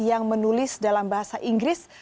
yang menulis dalam bahasa inggris